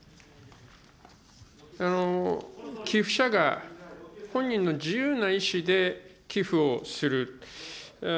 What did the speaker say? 寄付者が本人の自由な意思で寄付をする。